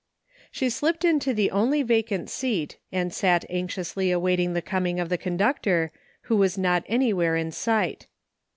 She slipped into the only vacant seat and sat anxi ously awaiting the ooming of the conductor, who was not anywhere in sight.